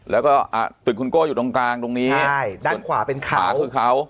แล้วก็ตึกคุณโก้อยู่ตรงกลางตรงนี้ใช่ด้านขวาเป็นขาคือเขา